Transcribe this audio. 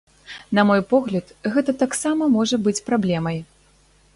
На мой погляд, гэта таксама можа быць праблемай.